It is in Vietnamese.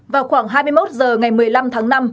vào khoảng hai mươi một h ngày một mươi năm tháng năm